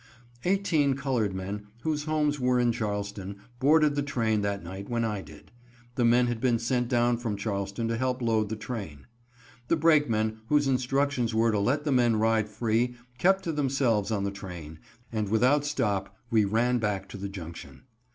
Eighteen colored men, whose homes were in Charleston, boarded the train that night when I did. The men had been sent down from Charleston to help load the train. The brakemen, whose instructions were to let the men ride free kept to themselves on the train, and without stop we ran back to the Junction.